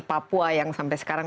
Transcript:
papua yang sampai sekarang